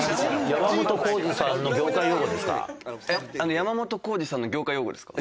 山本浩二さんの業界用語ですか？